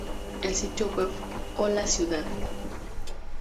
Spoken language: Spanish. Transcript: El sitio web "Hola Ciudad!